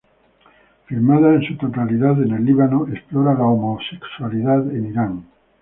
Filmada en su totalidad en el Líbano, explora la homosexualidad en Irán.